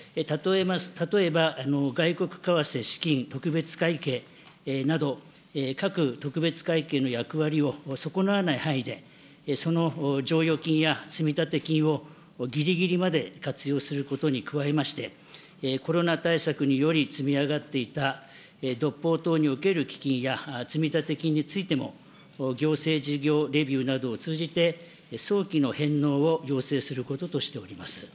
例えば、外国為替資金特別会計など、各特別会計の役割を損なわない範囲で、その剰余金や積立金をぎりぎりまで活用することに加えまして、コロナ対策により積み上がっていた独法等における基金や積立金についても、行政事業レビューなどを通じて、早期の返納を要請することとしております。